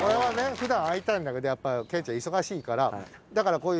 普段会いたいんだけどやっぱ健ちゃん忙しいからだからこういう。